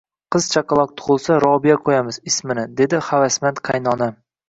Qiz chaqaloq tug`ilsa, Robiya qo`yamiz ismini, dedi havasmand qaynonam